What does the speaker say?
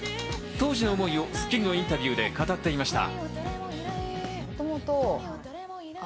当時の思いを『スッキリ』のインタビューで語っていました。